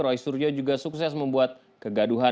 roy suryo juga sukses membuat kegaduhan